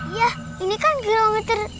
iya ini kan kilometer tiga belas